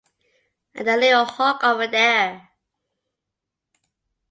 And the little Hog over there.